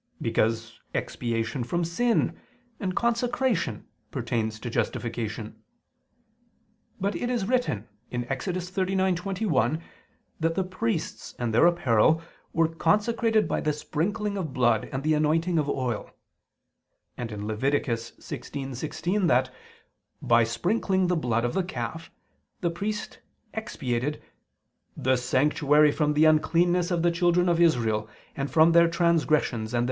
Because expiation from sin and consecration pertains to justification. But it is written (Ex. 39:21) that the priests and their apparel were consecrated by the sprinkling of blood and the anointing of oil; and (Lev. 16:16) that, by sprinkling the blood of the calf, the priest expiated "the sanctuary from the uncleanness of the children of Israel, and from their transgressions and